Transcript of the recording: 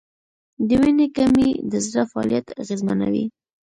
د وینې کمی د زړه فعالیت اغېزمنوي.